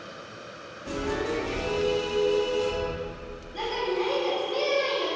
なかになにかつめればいいのか。